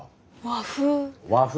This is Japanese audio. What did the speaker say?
和風。